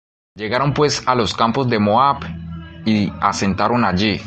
Llegaron pues á los campos de Moab, y asentaron allí.